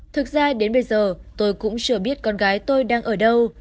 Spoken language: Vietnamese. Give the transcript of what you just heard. thực ra đến bây giờ tôi cũng chưa biết con gái tôi đang ở đâu